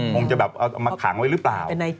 คงจะแบบเอามาขังไว้หรือเปล่า